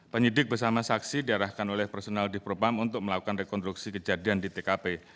penyidik bersama saksi diarahkan oleh personal di propam untuk melakukan rekonstruksi kejadian di tkp